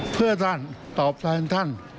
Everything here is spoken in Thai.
เพื่อท่านตอบแทนท่าน